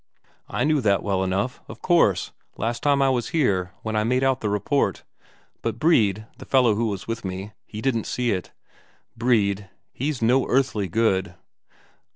"I knew that well enough, of course, last time I was here, when I made out the report. But Brede, the fellow who was with me, he didn't see it. Brede, he's no earthly good.